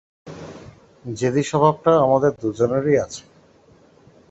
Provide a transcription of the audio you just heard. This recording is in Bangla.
জেদি স্বভাবটা আমাদের দুজনেরই আছে।